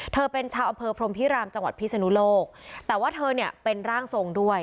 เธอเป็นชาวอำเภอพรมพิรามจังหวัดพิศนุโลกแต่ว่าเธอเนี่ยเป็นร่างทรงด้วย